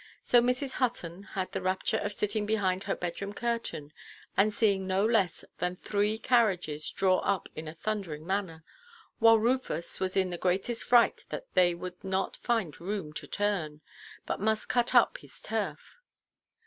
So Mrs. Hutton had the rapture of sitting behind her bedroom curtain, and seeing no less than three carriages draw up in a thundering manner, while Rufus was in the greatest fright that they would not find room to turn, but must cut up his turf.